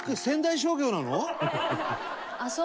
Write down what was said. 仙台商業なの？